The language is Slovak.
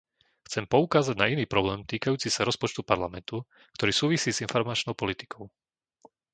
Chcem poukázať na iný problém týkajúci sa rozpočtu Parlamentu, ktorý súvisí s informačnou politikou.